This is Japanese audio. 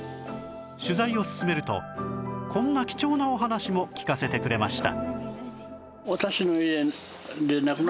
取材を進めるとこんな貴重なお話も聞かせてくれました